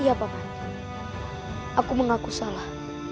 iya pak mandi aku mengaku salah